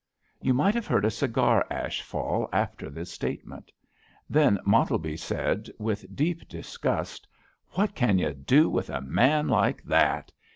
" You might have heard a cigar ash fall after this statement. Then Mottleby said, with deep dis gust: What can you do with a man like that!